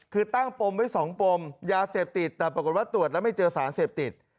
คือตั้งปมไว้๒ปมยาเสพติดแต่ปรากฏว่าตรวจแล้วไม่เจอสารเสพติด